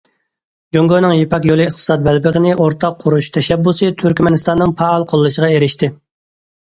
جۇڭگونىڭ يىپەك يولى ئىقتىساد بەلبېغىنى ئورتاق قۇرۇش تەشەببۇسى تۈركمەنىستاننىڭ پائال قوللىشىغا ئېرىشتى.